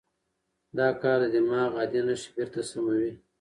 دا کار د دماغ عادي نښې بېرته سموي.